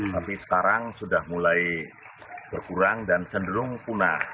tapi sekarang sudah mulai berkurang dan cenderung punah